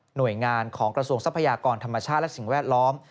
หน่วยงานของกระทรวงทรัพยากรธรรมชาติและสิ่งแวดล้อม